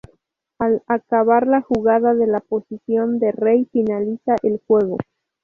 Al acabar la jugada de la posición de "Rey", finaliza el juego.